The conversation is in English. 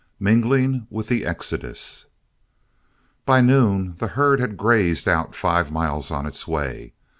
MINGLING WITH THE EXODUS By noon the herd had grazed out five miles on its way.